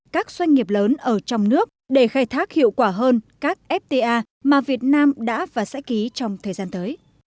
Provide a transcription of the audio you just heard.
các doanh nghiệp lớn ở trong nước để khai thác hiệu quả hơn các fta mà việt nam đã và sẽ ký trong thời gian tới